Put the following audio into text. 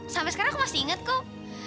sampai sekarang aku masih ingat kok